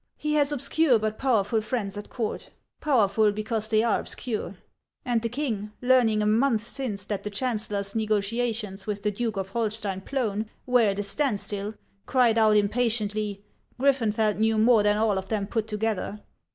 He has obscure but powerful friends at court, — powerful because they are obscure ; and the king, learning a month since that the chancellor's negotiations with the Duke of Hol stein Woen were at a standstill, cried out impatiently :' Grillenfeld knew more than all of them put together.'